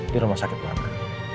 di rumah sakit mana